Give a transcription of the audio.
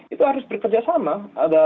itu harus bekerja sama